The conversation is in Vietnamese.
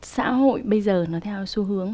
xã hội bây giờ nó theo xu hướng